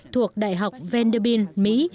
thuộc đại học vanderbilt mỹ